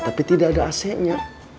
tapi tidak ada ac nya